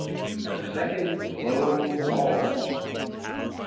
THE SECOND BLOW FALLS.